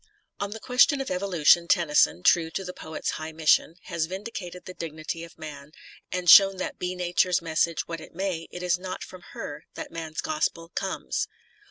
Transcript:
On the question of evolution Tennyson, true to the poet's high mission, has vindicated the dignity of man, and shown that be Nature's message what it may, it is not from Her that man's gospel comes.